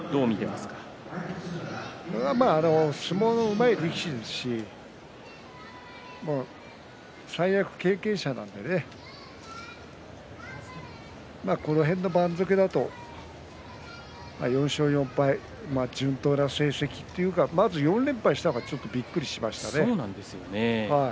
相撲がうまい力士ですし三役経験者なのでこの辺の番付だと４勝４敗順当な成績というかまず４連敗したのはびっくりしましたね。